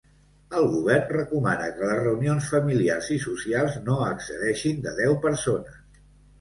El govern recomana que les reunions familiars i socials no excedeixin de deu persones.